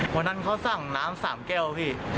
วันนั้นเขาสั่งน้ำ๓แก้วพี่